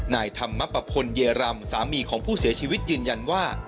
นายธรรมปะพลเยรำสามีของผู้เสียชีวิตยืนยันว่า